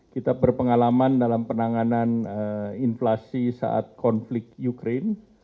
kita berpengalaman dalam penanganan inflasi saat konflik ukraine